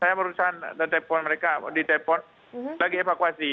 saya merusak telepon mereka ditelepon lagi evakuasi